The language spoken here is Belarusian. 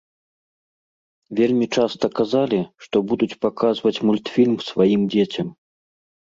Вельмі часта казалі, што будуць паказваць мультфільм сваім дзецям.